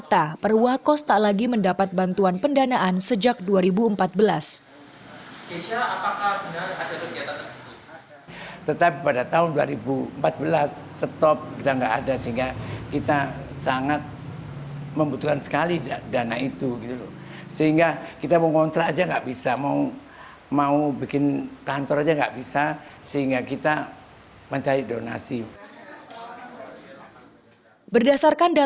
jangan sampai menular kemana mana ataupun menularkan ke orang lain ataupun menularkan ke sesama warianya